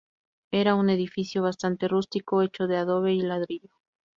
Era un edificio bastante rústico hecho de adobe y ladrillo.